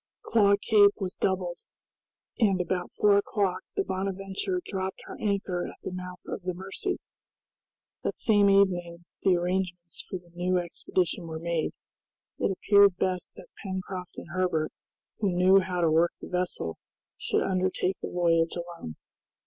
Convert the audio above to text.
Claw Cape was doubled, and about four o'clock the "Bonadventure" dropped her anchor at the mouth of the Mercy. That same evening the arrangements for the new expedition were made. It appeared best that Pencroft and Herbert, who knew how to work the vessel, should undertake the voyage alone.